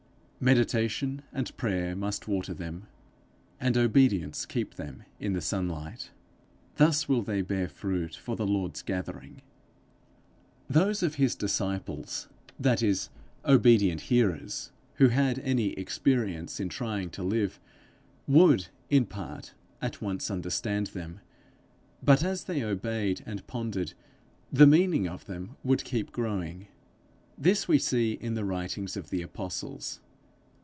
Meditation and prayer must water them, and obedience keep them in the sunlight. Thus will they bear fruit for the Lord's gathering. Those of his disciples, that is, obedient hearers, who had any experience in trying to live, would, in part, at once understand them; but as they obeyed and pondered, the meaning of them would keep growing. This we see in the writings of the apostles.